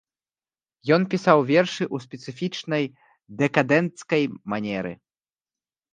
Ён пісаў вершы ў спецыфічнай дэкадэнцкай манеры.